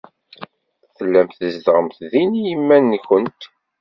Tellamt tzedɣemt din i yiman-nwent.